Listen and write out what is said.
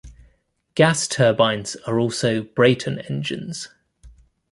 Gas turbines are also Brayton engines.